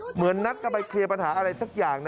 เหมือนนัดกันไปเคลียร์ปัญหาอะไรสักอย่าง